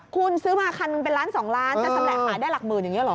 คุณซื้อมาคันหนึ่งเป็นล้าน๒ล้านจะชำแหละขายได้หลักหมื่นอย่างนี้หรอ